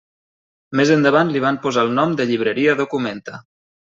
Més endavant li van posar el nom de Llibreria Documenta.